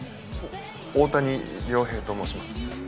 大谷亮平と申します。